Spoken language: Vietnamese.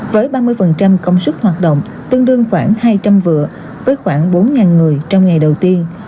với ba mươi công sức hoạt động tương đương khoảng hai trăm linh vựa với khoảng bốn người trong ngày đầu tiên